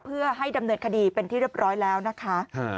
เพื่อให้ดำเนินคดีเป็นที่เรียบร้อยแล้วนะคะ